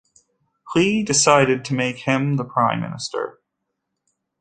Hui decided to make him the prime minister.